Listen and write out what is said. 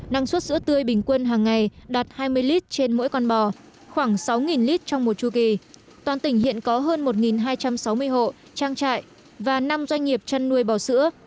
năng suất sữa tươi bình quân hàng ngày đạt hai mươi lít trên mỗi con bò khoảng sáu lít trong một chu kỳ toàn tỉnh hiện có hơn một hai trăm sáu mươi hộ trang trại và năm doanh nghiệp chăn nuôi bò sữa